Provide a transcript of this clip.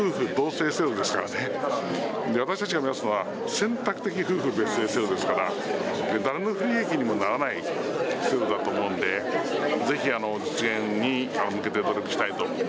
私たちが目指すのは選択的夫婦別姓制度ですから誰の不利益にもならない制度だと思うのでぜひ実現に向けて努力したいと。